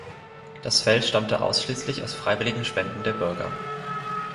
Das Fell stammte ausschließlich aus freiwilligen Spenden der Bürger.